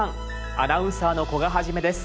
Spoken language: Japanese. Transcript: アナウンサーの古賀一です。